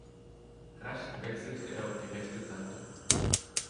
Rasch wechselte er auf die rechte Seite.